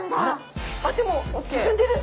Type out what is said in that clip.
あっでも進んでる！